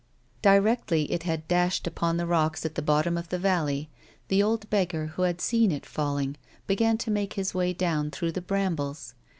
Directly it had dashed upon the rocks at the bottom of the valley, the old beggar, who had seen it falling, began to make his way down through the brambles.